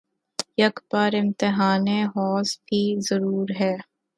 یک بار امتحانِ ہوس بھی ضرور ہے